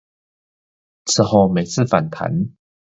此後每次反彈